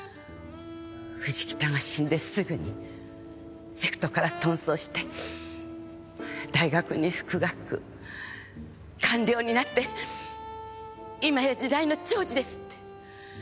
藤北が死んですぐにセクトから遁走して大学に復学官僚になって今や時代の寵児ですって？